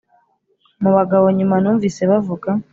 mubagabo nyuma numvise bavuga